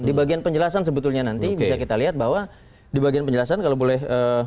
di bagian penjelasan sebetulnya nanti bisa kita lihat bahwa di bagian penjelasan kalau boleh